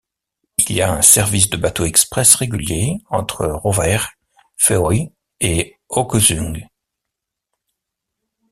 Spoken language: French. Il y a un service de bateau express régulier entre Røvær, Feøy et Haugesund.